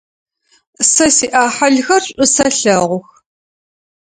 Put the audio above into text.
Сэ сиӏахьылхэр шӏу сэлъэгъух.